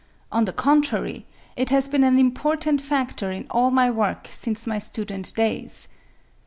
On the contrary, it has been an important factor in all my work since my student days.